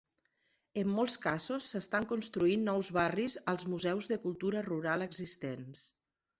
En molts casos s'estan construint nous barris als museus de cultura rural existents.